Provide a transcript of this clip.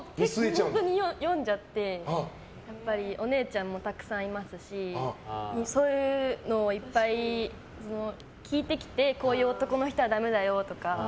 本当に読んじゃってお姉ちゃんもたくさんいますしそういうのをいっぱい聞いてきてこういう男の人はダメだよとか。